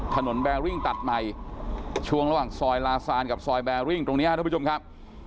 ถนนแบรรชน์ตัดใหม่ช่วงระหว่างซอยลาศานกับซอยแบรรชน์ตรงเนี่ยด้วยผู้ชมครับ